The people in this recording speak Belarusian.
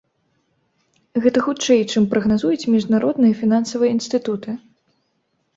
Гэта хутчэй, чым прагназуюць міжнародныя фінансавыя інстытуты.